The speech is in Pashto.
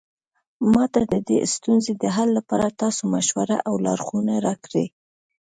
ما ته د دې ستونزې د حل لپاره تاسو مشوره او لارښوونه راکړئ